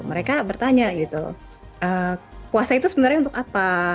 mereka bertanya gitu puasa itu sebenarnya untuk apa